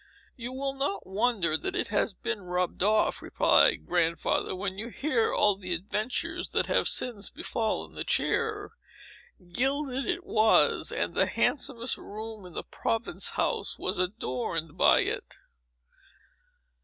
"You will not wonder that it has been rubbed off," replied Grandfather, "when you hear all the adventures that have since befallen the chair. Gilded it was; and the handsomest room in the Province House was adorned by it."